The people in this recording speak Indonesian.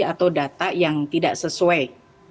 atau data yang tidak sesuai